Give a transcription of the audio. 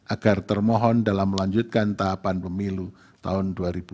agar termohon dalam melanjutkan tahapan pemilu tahun dua ribu dua puluh